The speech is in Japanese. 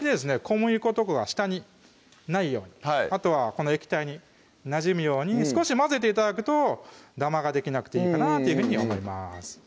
小麦粉とかが下にないようにあとはこの液体になじむように少し混ぜて頂くとダマができなくていいかなというふうに思います